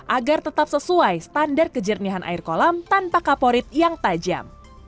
agar tetap sesuai standar kejernihan air kolam tanpa kaporit yang tajam